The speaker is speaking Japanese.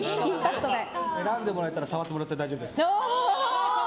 選んでもらえたら触ってもらって大丈夫です。